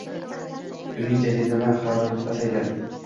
Kunning jazirama harorati pasayadi.